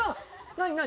何何？